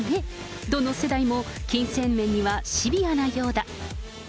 どの世代も、金銭面にはシビアなようだ。